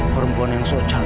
perempuan yang socal